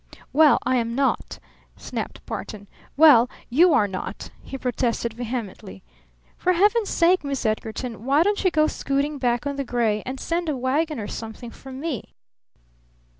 "Well, I am not!" snapped Barton. "Well, you are not!" he protested vehemently. "For Heaven's sake, Miss Edgarton, why don't you go scooting back on the gray and send a wagon or something for me?"